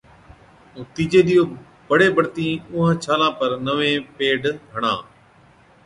ائُون تِيجي ڏِيئو بڙي بڙتِي اُونهانچ ڇالان پر نوِين پيڊ هڻا۔